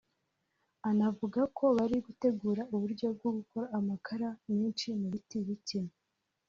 Anavuga ko bari gutegura uburyo bwo gukora amakara menshi mu biti bike